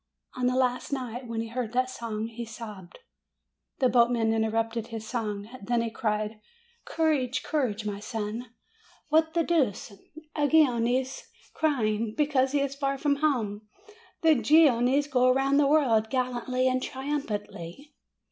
On the last night, when he heard that song, he sobbed. The boatman interrupted his song. Then he cried, "Courage, cour age, my son! What the deuce! A Genoese crying 268 MAY because he is far from home ! The Genoese go round the world, gallantly and triumphantly